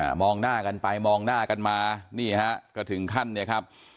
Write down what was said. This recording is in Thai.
มองหน้ากันไปมองหน้ากันมานี่ฮะก็ถึงขั้นเนี่ยครับ